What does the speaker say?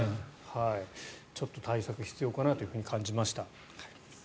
ちょっと対策が必要かなと感じました。